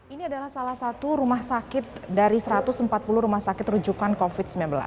ini adalah salah satu rumah sakit dari satu ratus empat puluh rumah sakit rujukan covid sembilan belas